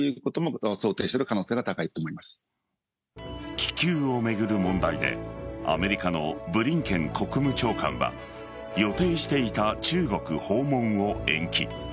気球を巡る問題でアメリカのブリンケン国務長官は予定していた中国訪問を延期。